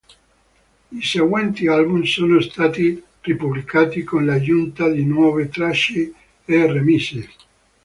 I seguenti album sono stati ripubblicati con l'aggiunta di nuove tracce e remixes.